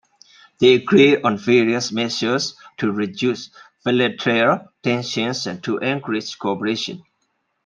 They agreed on various measures to reduce bilateral tensions and to encourage cooperation.